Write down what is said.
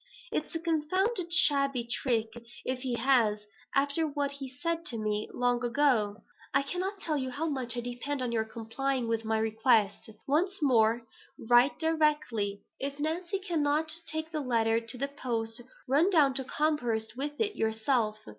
"It's a confounded shabby trick if he has, after what he said to me long ago. I cannot tell you how much I depend on your complying with my request. Once more, write directly. If Nancy cannot take the letter to the post, run down to Combehurst with it yourself.